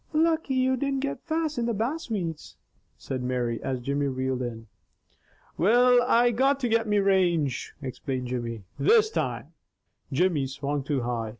"Lucky you didn't get fast in the bass weeds," said Mary as Jimmy reeled in. "Will, I got to get me range," explained Jimmy. "This time " Jimmy swung too high.